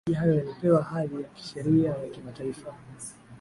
mauaji hayo yalipewa hadhi ya kisheria ya kimataifa